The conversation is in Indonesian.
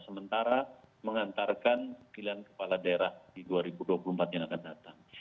sementara mengantarkan pilihan kepala daerah di dua ribu dua puluh empat yang akan datang